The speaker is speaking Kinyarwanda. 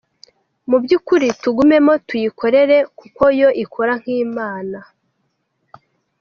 Mu by'ukuri tugumemo tuyikorere kuko yo ikora nk'Imana.